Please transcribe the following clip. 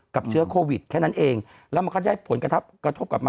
เชื้อโควิดแค่นั้นเองแล้วมันก็ได้ผลกระทบกระทบกลับมา